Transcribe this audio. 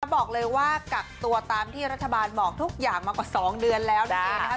บอกเลยว่ากักตัวตามที่รัฐบาลบอกทุกอย่างมากว่า๒เดือนแล้วนั่นเองนะคะ